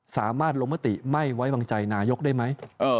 สามารถลงมติไม่ไว้วางใจนายกได้ไหม